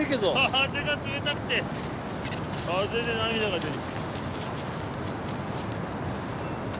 風で涙が出る。